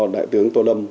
đại tướng tô lâm